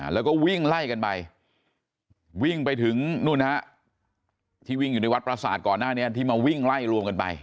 แล้วก็วิ่งไล่กันไปวิ่งไปถึงนู่นฮะที่วิ่งอยู่ในวัดประสาทก่อนหน้านี้ที่มาวิ่งไล่รวมกันไป